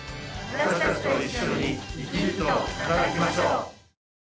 私たちと一緒に生き生きと働きましょう！